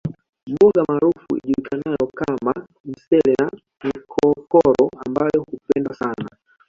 Mboga maarufu ijulikanayo kama msele na nkokoro ambayo hupendwa sana